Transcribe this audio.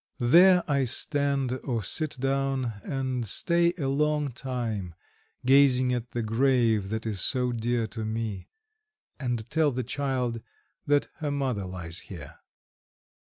There I stand or sit down, and stay a long time gazing at the grave that is so dear to me, and tell the child that her mother lies here.